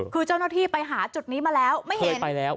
คือเจ้าหน้าที่ไปหาจุดนี้มาแล้วไม่เห็นไปแล้ว